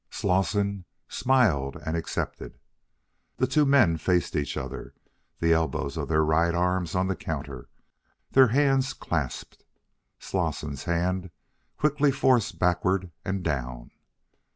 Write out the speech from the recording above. Slosson smiled and accepted. The two men faced each other, the elbows of their right arms on the counter, the hands clasped. Slosson's hand quickly forced backward and down.